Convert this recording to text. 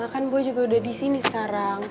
kan boy juga udah disini sekarang